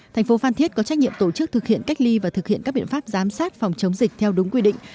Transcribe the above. thành phố phan thiết có trách nhiệm tổ chức thực hiện cách ly và thực hiện các biện pháp giám sát phòng chống dịch theo đúng quy định